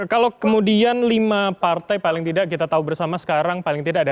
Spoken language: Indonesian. kalau kemudian lima partai paling tidak kita tahu bersama sekarang paling tidak ada